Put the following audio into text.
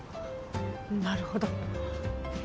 なるほど。